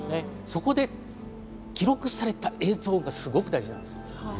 そこで記録された映像がすごく大事なんです。